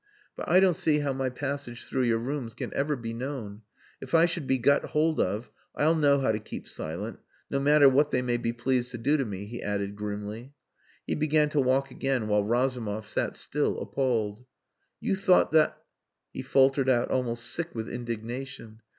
But I don't see how my passage through your rooms can be ever known. If I should be got hold of, I'll know how to keep silent no matter what they may be pleased to do to me," he added grimly. He began to walk again while Razumov sat still appalled. "You thought that " he faltered out almost sick with indignation.